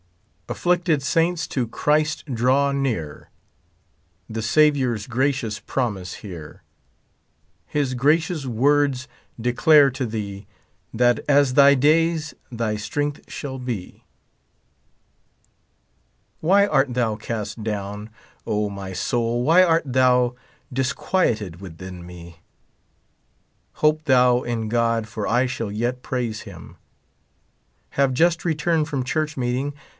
Afflicted saint^J to ChristidrJivv near, The Saviour's gracious promise hear; His gracious words declare to thee. 'I'll it as thy days, thy strength shall be. Wh}' art thou cast down, Omy soul, why art thou dis quieted within me ? Hope thou in God, for I shall yet praise him. Have just returned from church meeting.